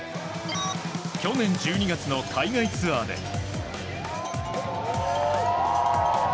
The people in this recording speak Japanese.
去年１２月の海外ツアーで。